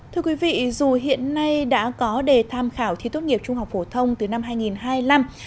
thưa quý vị dù hiện nay đã có đề tham khảo thi tốt nghiệp trung học phổ thông từ năm hai nghìn hai mươi năm